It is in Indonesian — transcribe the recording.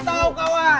gak jelas tau kawan